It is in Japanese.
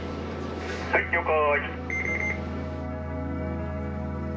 はい了解。